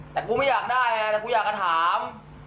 แต่กูไม่อยากได้ไงแต่กูอยากจะถาม